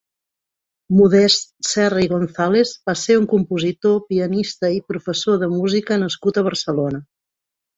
Modest Serra i Gonzàlez va ser un compositor, pianista i professor de música nascut a Barcelona.